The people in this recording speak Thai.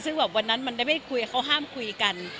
ซึ่งแบบวันนั้นมันได้ไม่คุยเขาห้ามคุยกัน